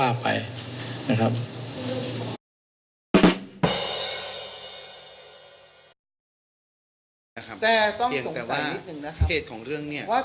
แต่เจ้าตัวก็ไม่ได้รับในส่วนนั้นหรอกนะครับ